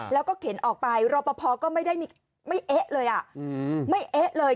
แล้วก็เข็นออกไปรอปภก็ไม่ได้ไม่เอ๊ะเลยไม่เอ๊ะเลย